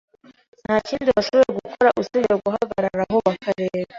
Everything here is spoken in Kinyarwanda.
Nta kindi bashoboye gukora usibye guhagarara aho bakareba.